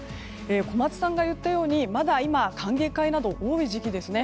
小松さんが言ったように今、まだ歓迎会などが多い時期ですね。